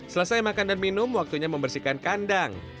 selesai makan dan minum waktunya membersihkan kandang